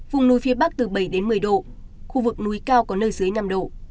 vùng núi phía bắc từ bảy đến một mươi độ khu vực núi cao có nơi dưới năm độ